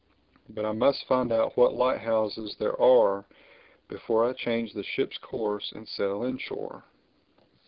But I must find out what light houses there are before I change the ship's course and sail inshore."